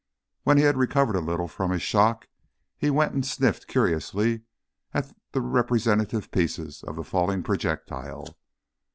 When he had recovered a little from his shock, he went and sniffed curiously at the representative pieces of the fallen projectile.